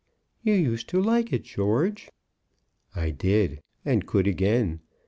"You used to like it, George." "I did; and could again.